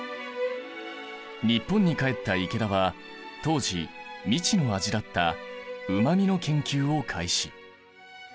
日本に帰った池田は当時未知の味だったうま味の研究を開始。